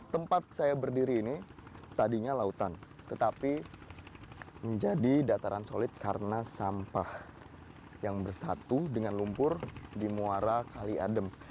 tempat saya berdiri ini tadinya lautan tetapi menjadi dataran solid karena sampah yang bersatu dengan lumpur di muara kali adem